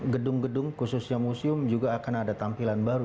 gedung gedung khususnya museum juga akan ada tampilan baru